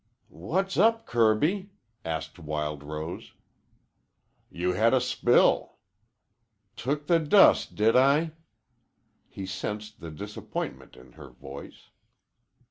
"What's up, Kirby?" asked Wild Rose. "You had a spill." "Took the dust, did I?" He sensed the disappointment in her voice.